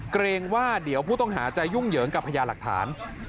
เกรงว่าเดี๋ยวผู้ต้องหาจะยุ่งเหยิงกับพญาหลักฐาน